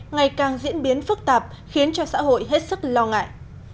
ngày càng diễn biến phức tạp khiến cho xã hội hết sức lo ngại